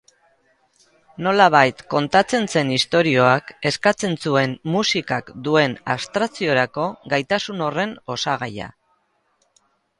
Nolabait kontatzen zen istorioak eskatzen zuen musikak duen abstrakziorako gaitasun horren osagaia.